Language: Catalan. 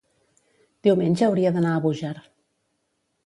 Diumenge hauria d'anar a Búger.